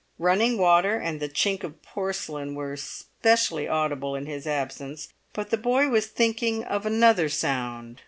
Running water and the chink of porcelain were specially audible in his absence, but the boy was thinking of another sound.